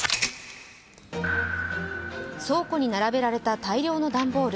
倉庫に並べられた大量の段ボール。